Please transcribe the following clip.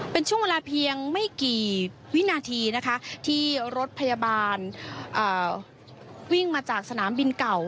เป็นช่วงเวลาเพียงไม่กี่วินาทีนะคะที่รถพยาบาลวิ่งมาจากสนามบินเก่า